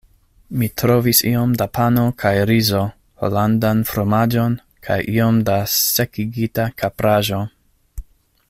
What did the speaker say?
Mi trovis iom da pano kaj rizo, holandan fromaĝon, kaj iom da sekigita kapraĵo.